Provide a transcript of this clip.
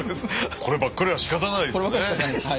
こればっかりはしかたないですね。